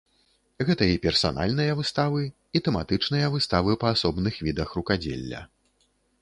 Гэта і персанальныя выставы, і тэматычныя выставы па асобных відах рукадзелля.